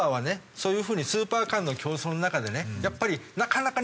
そういう風にスーパー間の競争の中でねやっぱりなかなかね